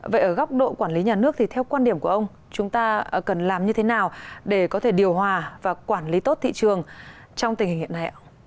vậy ở góc độ quản lý nhà nước thì theo quan điểm của ông chúng ta cần làm như thế nào để có thể điều hòa và quản lý tốt thị trường trong tình hình hiện nay ạ